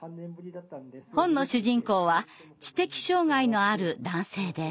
本の主人公は知的障害のある男性です。